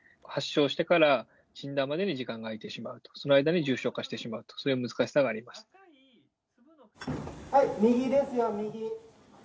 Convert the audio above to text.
発症してから診断までに時間が空いてしまうと、その間に重症化してしまうと、そういう難しさがあります。